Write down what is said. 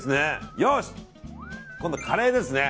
よし、今度はカレーですね。